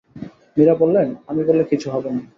মীরা বললেন, আমি বললে কিছু হবে না।